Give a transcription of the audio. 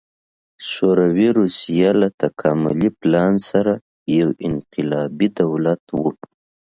شوروي روسیه له تکاملي پلان سره یو انقلابي دولت و